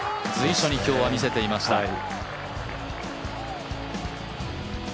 随所に今日は見せていました。